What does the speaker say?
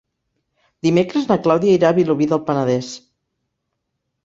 Dimecres na Clàudia irà a Vilobí del Penedès.